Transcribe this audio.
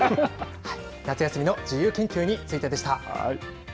夏休みの自由研究についてでした。